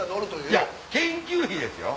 いや研究費ですよ。